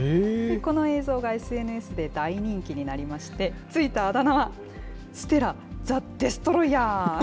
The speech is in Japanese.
この映像がＳＮＳで大人気になりまして、付いたあだ名は、ステラ・ザ・デストロイヤー。